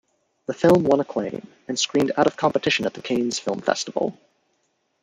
The film won acclaim, and screened out of competition at the Cannes Film Festival.